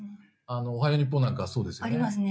「おはよう日本」なんかはそうですよね。ありますね。